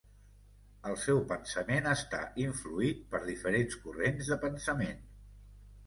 El seu pensament està influït per diferents corrents de pensament.